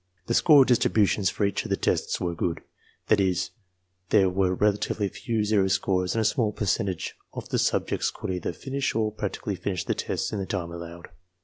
The score distributions for each of the tests were good; that is, there were relatively few zero scores and a small percentage of the subjects could either finish or practically finish the tests in the time allowed.